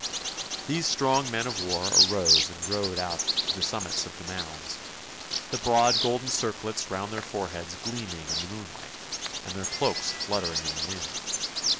These strong men of war arose and rode out to the summits of the mounds; the broad golden circlets round their foreheads gleaming in the moonlight, and their cloaks fluttering in the wind.